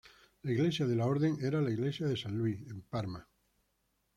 La iglesia de la Orden era la iglesia de San Luis en Parma.